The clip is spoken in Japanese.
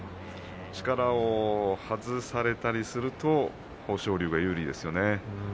力を外されたりすると豊昇龍が有利ですね。